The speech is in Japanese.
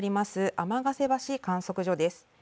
天ヶ瀬橋観測所です。